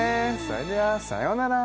それではさよなら